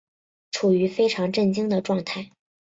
处於非常震惊的状态